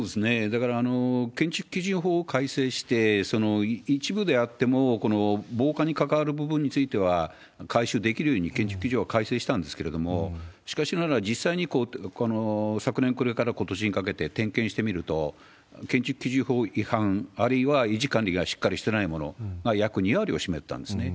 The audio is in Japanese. だから建築基準法を改正して、一部であっても防火に関わる部分については改修できるように、建築基準法を改正したんですけれども、しかしながら、実際に昨年暮れからことしにかけて点検してみると、建築基準法違反、あるいは維持管理がしっかりしてないものが約２割を占めてたんですね。